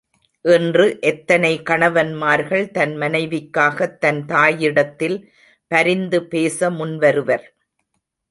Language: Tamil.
இன்று எத்தனை கணவன்மார்கள் தன் மனைவிக்காகத் தன் தாயிடத்தில் பரிந்து பேச முன் வருவர்?